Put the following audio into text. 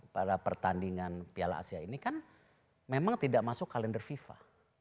pada pertandingan piala asia ini kan memang tidak masuk kalender fifa